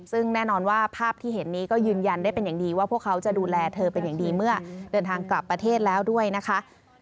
ซึ่งแน่นอนว่าภาพที่เห็นนี้ก็ยืนยันได้เป็นอย่างดีว่าพวกเขาจะดูแลเธอเป็นอย่างดีเมื่อเดินทางกลับประเทศแล้วด้วยนะคะ